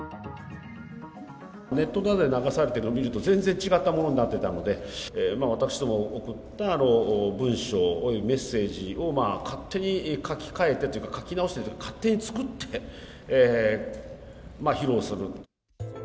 ネットなどで流されているのを見ると、全然違ったものになってたので、私どもの送った文章およびメッセージを勝手に書き換えてというか、書き直してというか、勝手に作って披露する。